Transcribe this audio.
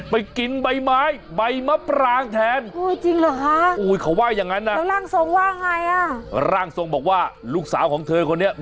ไปกินใบไม้ใบมะปรางแทน